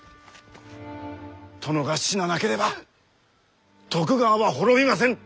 殿が死ななければ徳川は滅びませぬ。